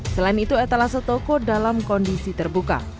selain itu etalase toko dalam kondisi terbuka